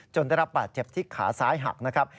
จนได้รับบัตรเจ็บทิกขาซ้ายหักนะครับ